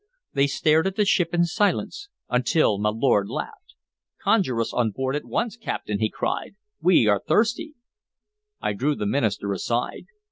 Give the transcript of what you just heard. They stared at the ship in silence until my lord laughed. "Conjure us on board at once, captain," he cried. "We are thirsty." I drew the minister aside.